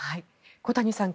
小谷さん